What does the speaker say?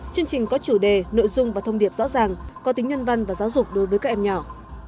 chương trình có chủ đề nội dung và thông điệp rõ ràng có tính nhân văn và giáo dục đối với các em nhỏ